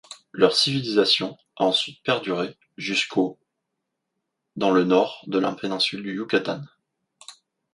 Leur civilisation a ensuite perduré jusqu'au dans le nord de la péninsule du Yucatán.